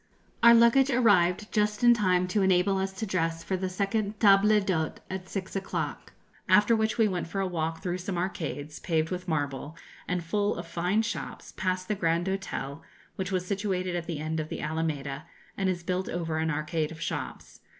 ] Our luggage arrived just in time to enable us to dress for the second table d'hôte at six o'clock, after which we went for a walk through some arcades, paved with marble, and full of fine shops, past the Grand Hotel, which was situated at the end of the Alameda, and is built over an arcade of shops.